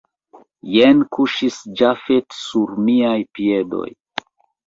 Jen kuŝis Jafet sur miaj piedoj.